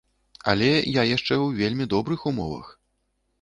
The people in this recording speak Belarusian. Але я яшчэ ў вельмі добрых умовах.